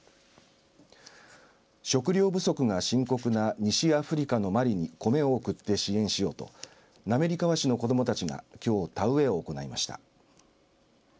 食糧不足が深刻な西アフリカのマリにコメを送って支援しようと滑川市の子どもたちがきょう、田植えを行いました。